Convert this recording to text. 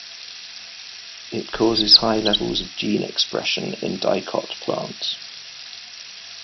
It causes high levels of gene expression in dicot plants.